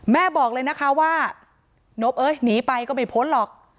บอกเลยนะคะว่านบเอ้ยหนีไปก็ไม่พ้นหรอก